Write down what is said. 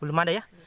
belum ada ya